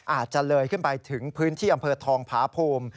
อาจจะเลยขึ้นไปถึงพื้นที่อำเภอทองผาภูมิ